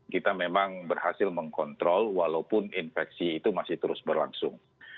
kita memang berhasil mengkontrol walaupun infeksi itu masih terus berlangsung